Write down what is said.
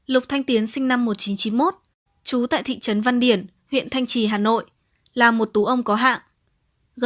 lục thanh tiến sinh năm một nghìn chín trăm chín mươi một trú tại thị trấn văn điển huyện thanh trì hà nội là một tú ông có hạng